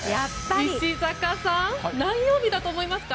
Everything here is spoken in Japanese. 石坂さん何曜日だと思いますか？